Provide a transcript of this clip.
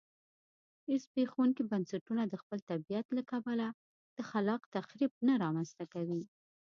زبېښونکي بنسټونه د خپل طبیعت له کبله خلاق تخریب نه رامنځته کوي